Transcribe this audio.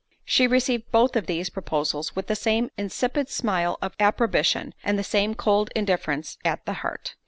—She received both of these proposals with the same insipid smile of approbation, and the same cold indifference at the heart.